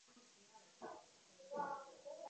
杜拜喷泉的表演曲目目前还在增加中。